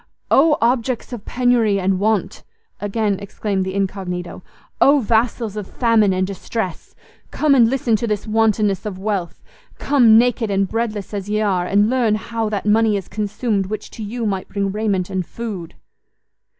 "Oh objects of penury and want!" again exclaimed the incognito; "Oh vassals of famine and distress! Come and listen to this wantonness of wealth! Come, naked and breadless as ye are, and learn how that money is consumed which to you might bring raiment and food!"